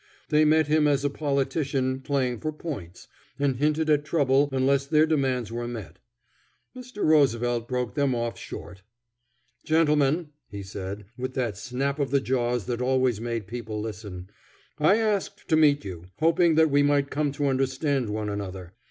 They met him as a politician playing for points, and hinted at trouble unless their demands were met. Mr. Roosevelt broke them off short: "Gentlemen!" he said, with that snap of the jaws that always made people listen, "I asked to meet you, hoping that we might come to understand one another.